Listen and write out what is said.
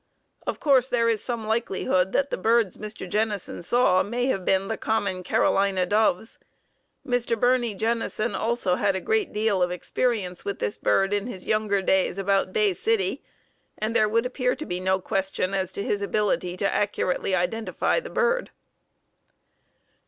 Of course there is some likelihood that the birds Mr. Jennison saw may have been the common Carolina doves. Mr. Birney Jennison also had a great deal of experience with this bird in his younger days about Bay City, and there would appear to be no question as to his ability to accurately identify the bird.